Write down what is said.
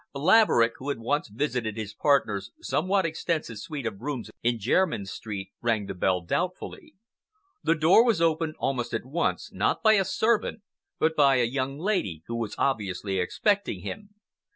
Laverick, who had once visited his partner's somewhat extensive suite of rooms in Jermyn Street, rang the bell doubtfully. The door was opened almost at once, not by a servant but by a young lady who was obviously expecting him.